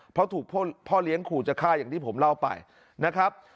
เพราะถูกพ่อเลี้ยงขู่จะฆ่าอย่างที่ผมเล่าไปนะครับ